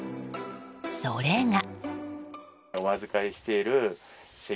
それが。